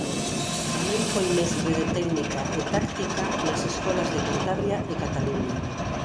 Tamén foi mestre de técnica e táctica nas Escolas de Cantabria e Cataluña.